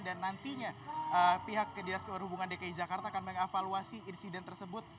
dan nantinya pihak dinas perhubungan dki jakarta akan mengevaluasi insiden tersebut